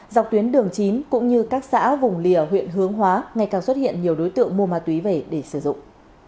dọc tuyến đường chín cũng như các xã vùng lìa huyện hướng hóa ngày càng xuất hiện nhiều đối tượng mua ma túy về để sử dụng